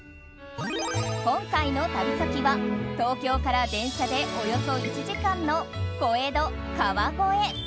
今回の旅先は、東京から電車でおよそ１時間の、小江戸・川越。